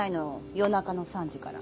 夜中の３時から。